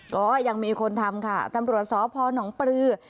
ก็ยังมีคนทำค่ะตำรวจสพนปลือ